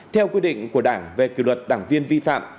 theo quy định của đảng về kỷ luật đảng viên vi phạm